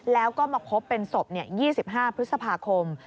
แล้วก็มาพบเป็นศพ๒๕พฤษภาคม